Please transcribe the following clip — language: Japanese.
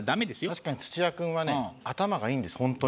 確かに土屋君はね頭がいいんです本当に。